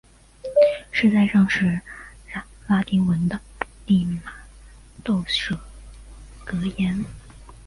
饰带上是拉丁文的利玛窦宿舍格言。